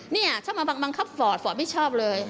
นี่ชอบมาบังคับฝอตฝอตไม่ชอบเลย